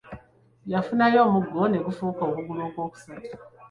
Yafunayo omuggo ne gufuuka okugulu okw'okusatu.